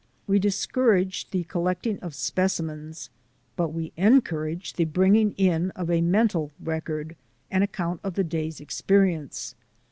We discouraged the collecting of specimens, but we encouraged the bringing in of a mental record — an account of the day's experience.